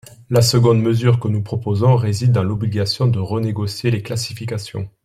La seconde mesure que nous proposons réside dans l’obligation de renégocier les classifications.